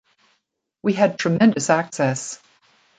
We had tremendous access.